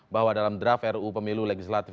bahwa dalam draft ruu pemilu legislatif